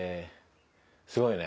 すごいね。